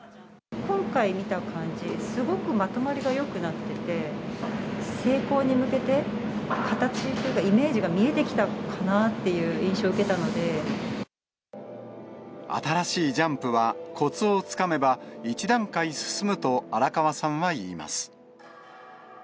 今回、見た感じ、すごくまとまりがよくなってて、成功に向けて形というか、イメージが見えてきたかなっていう印象新しいジャンプは、こつをつかめば一段階進むと、荒川さんは言います。